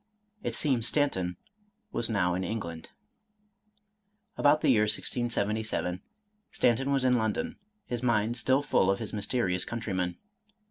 It seems Stanton was now in England. About the year 1677, Stanton was in London, his mind still full of his mysterious countryman.